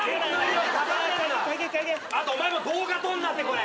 あとお前も動画撮んなって！